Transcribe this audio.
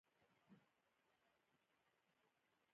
هغې وعدې مې روح ښخ کړ.